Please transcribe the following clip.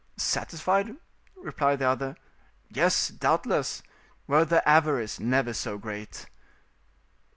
"Satisfied," replied the other, "yes, doubtless, were their avarice never so great."